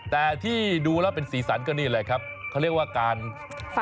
แต่ที่ดูแล้วเป็นสีสันก็นี่แหละครับเขาเรียกว่าการ